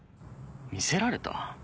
見せられた？